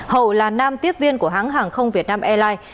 hậu là nam tiết viên của hãng hàng không việt nam airline